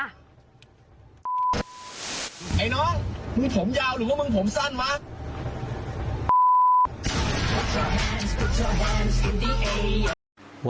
ไอ้น้องมึงผมยาวหรือว่ามึงผมสั้นวะ